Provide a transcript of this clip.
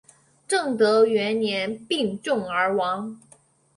正德元年病重而亡。